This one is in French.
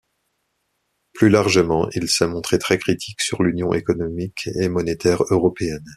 Plus largement, il s'est montré très critique sur l'Union économique et monétaire européenne.